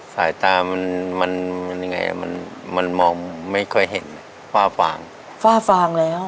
สายตามันมันยังไงมันมองไม่ค่อยเห็นฝ้าฝ่างฝ้าฝ่างแล้ว